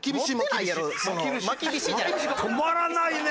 止まらない。